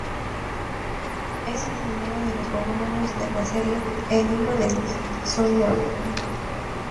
Es el primero de los volúmenes de la serie "El libro del sol nuevo".